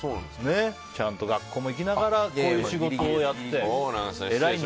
ちゃんと学校も行きながらこういう仕事をやって。